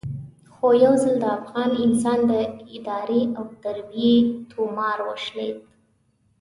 خو یو ځل د افغان انسان د ادارې او تربیې تومار وشلېد.